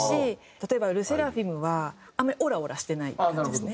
例えばＬＥＳＳＥＲＡＦＩＭはあんまりオラオラしてない感じですね。